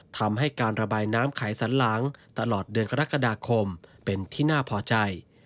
ทำให้การระบายน้ำไขสันหลังตลอดเดือนกรกฎาคมเป็นที่น่าพอใจ